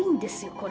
これ！